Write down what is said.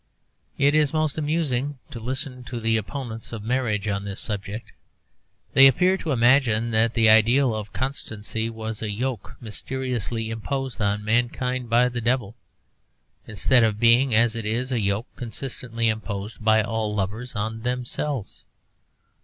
It is most amusing to listen to the opponents of marriage on this subject. They appear to imagine that the ideal of constancy was a yoke mysteriously imposed on mankind by the devil, instead of being, as it is, a yoke consistently imposed by all lovers on themselves.